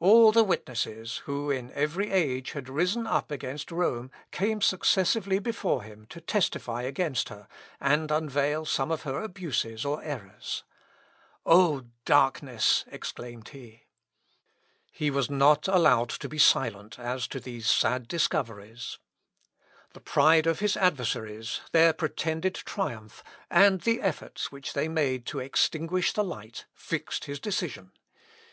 All the witnesses, who in every age had risen up against Rome came successively before him to testify against her, and unveil some of her abuses or errors. "O darkness!" exclaimed he. [Sidenote: LUTHER'S CHARITY. ECK ATTACKS MELANCTHON.] He was not allowed to be silent as to these sad discoveries. The pride of his adversaries, their pretended triumph, and the efforts which they made to extinguish the light, fixed his decision.